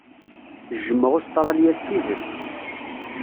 Jjmeɣ Ustṛalya s tidet.